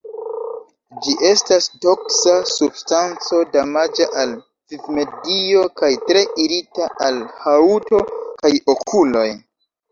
Ĝi estas toksa substanco, damaĝa al vivmedio kaj tre irita al haŭto kaj okuloj.